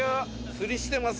釣りしてますね。